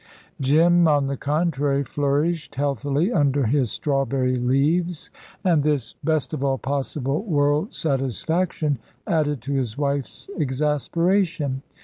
Jim, on the contrary, flourished healthily under his strawberry leaves, and this best of all possible world satisfaction added to his wife's exasperation.